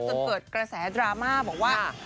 จนเกิดกระแสดราม่าบอกว่า